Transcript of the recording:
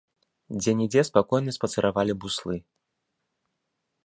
Дзе-нідзе спакойна спацыравалі буслы.